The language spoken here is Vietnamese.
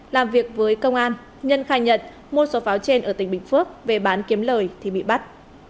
làm việc với công an nhân khai nhận mua số pháo trên ở tỉnh bình phước về bán kiếm lời thì bị bắt